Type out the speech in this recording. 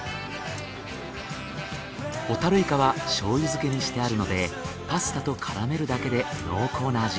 ホタルイカは醤油漬けにしてあるのでパスタと絡めるだけで濃厚な味に。